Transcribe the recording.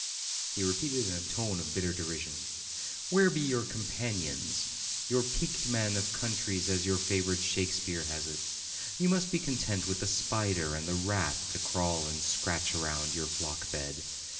he repeated in a tone of bitter derision; 'where be your companions, your peaked men of countries, as your favourite Shakespeare has it? You must be content with the spider and the rat, to crawl and scratch round your flock bed!